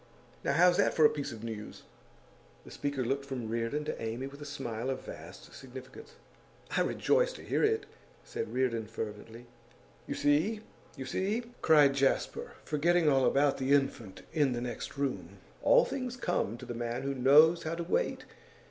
Now, how's that for a piece of news?' The speaker looked from Reardon to Amy with a smile of vast significance. 'I rejoice to hear it!' said Reardon, fervently. 'You see! you see!' cried Jasper, forgetting all about the infant in the next room, 'all things come to the man who knows how to wait.